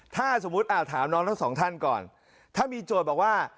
ถ้าสมมุติถามน้องทั้งสองท่านก่อนถ้ามีโจทย์บอกว่า